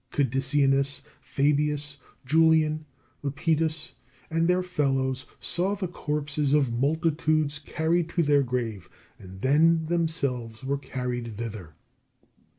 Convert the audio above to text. Cadicianus, Fabius, Julian, Lepidus, and their fellows, saw the corpses of multitudes carried to the grave, and then themselves were carried thither.